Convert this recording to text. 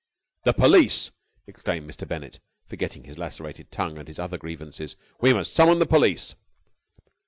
"The police!" exclaimed Mr. Bennett, forgetting his lacerated tongue and his other grievances. "We must summon the police!"